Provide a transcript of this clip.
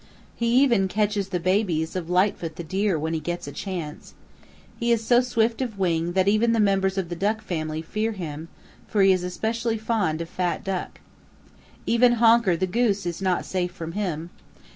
He even catches the babies of Lightfoot the Deer when he gets a chance. He is so swift of wing that even the members of the Duck family fear him, for he is especially fond of fat Duck. Even Honker the Goose is not safe from him.